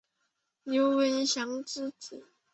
刘文翔之子。